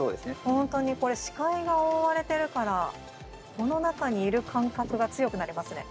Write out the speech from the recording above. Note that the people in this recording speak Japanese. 本当にこれ視界が覆われてるからこの中にいる感覚が強くなりますね。